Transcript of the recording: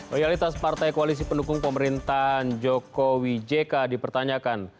loyalitas partai koalisi pendukung pemerintahan jokowi jk dipertanyakan